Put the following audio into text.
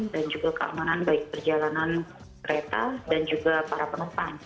dan juga keamanan baik perjalanan kereta dan juga para penumpang